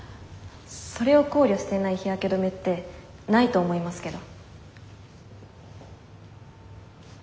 それを考慮していない日焼け止めってないと思いますけど。